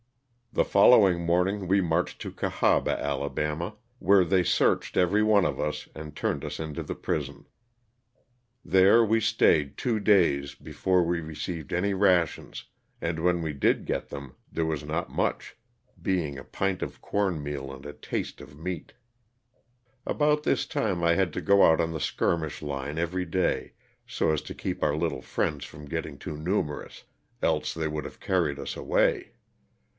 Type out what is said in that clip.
The following morning we marched to Cahaba, Ala., where they searched every one of us and turned us into the prison. There we stayed two days before 304 LOSS OF THE SULTANA. we received any rations, and when we did get them there was not much, being a pint of corn meal and a taste of meat. About this time I had to go out on the skirmish line every day, so as to keep our little friends from getting too numerous, else they would have carried us away.